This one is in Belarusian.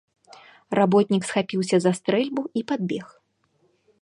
Работнік схапіўся за стрэльбу і падбег.